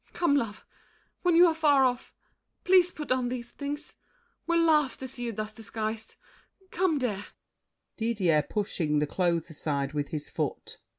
Come, love; When you are far off—please put on these things— We'll laugh to see you thus disguised. Come, dear! DIDIER (pushing the clothes aside with his foot).